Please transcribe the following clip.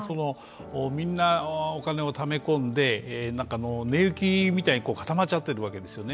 みんなお金をため込んで根雪みたいに固まっちゃっているわけですよね。